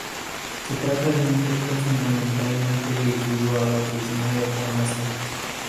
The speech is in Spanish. Se trata de un texto fundamentalmente dirigido a la oficina de farmacia.